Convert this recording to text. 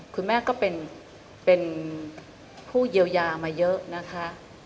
คุณแม่ก็เป็นผู้เยียวยามาเยอะนะคะ